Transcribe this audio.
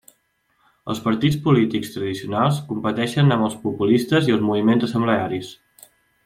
Els partits polítics tradicionals competeixen amb els populismes i els moviments assemblearis.